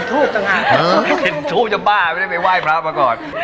ทุกคนจะบ้าไม่ได้ไปไหว้พระอ๋อก่อน